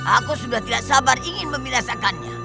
aku sudah tidak sabar ingin membirasakannya